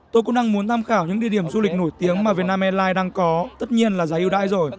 tôi cũng đang muốn tham khảo những địa điểm du lịch nổi tiếng mà việt nam airlines đang có tất nhiên là giá yêu đại rồi